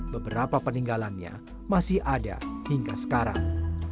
beberapa peninggalannya masih ada hingga sekarang